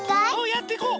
やっていこう。